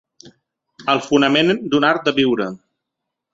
El fonament d’un art de viure.